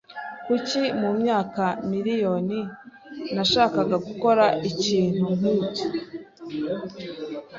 Kuki mumyaka miriyoni nashaka gukora ikintu nkicyo?